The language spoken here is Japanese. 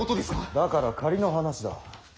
だから仮の話だ。